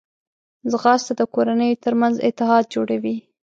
ځغاسته د کورنیو ترمنځ اتحاد جوړوي